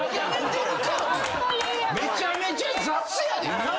めちゃめちゃ雑やで。